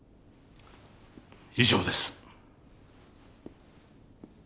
以上です。